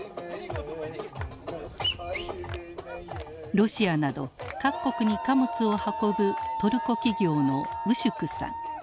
ロシアなど各国に貨物を運ぶトルコ企業のウシュクさん。